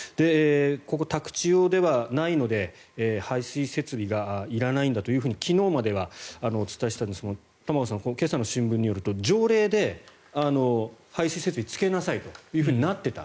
ここ、宅地用ではないので排水設備がいらないんだというふうに昨日まではお伝えしていたんですが玉川さん、今朝の新聞によると条例で排水設備をつけなさいとなっていた。